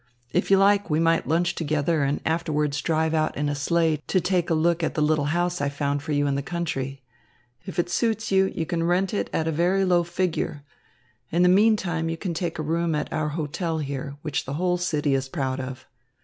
If you like, we might lunch together and afterwards drive out in a sleigh to take a look at the little house I found for you in the country. If it suits you, you can rent it at a very low figure. In the meantime you can take a room at our hotel here, which the whole city is proud of."